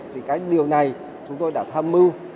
thì cái điều này chúng tôi đã tham mưu